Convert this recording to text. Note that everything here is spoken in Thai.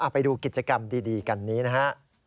ไปดูกิจกรรมดีกันนี้นะฮะ